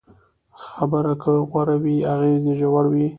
خبره که غوره وي، اغېز یې ژور وي.